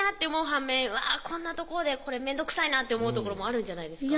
反面わっこんなとこでこれめんどくさいなって思うところもあるんじゃないですか？